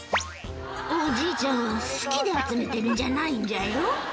「おじいちゃんは好きで集めてるんじゃないんじゃよ」